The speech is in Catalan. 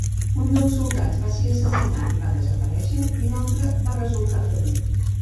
Un dels soldats va ser assassinat i va desaparèixer i l'altre va resultar ferit.